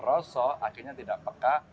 roso akhirnya tidak peka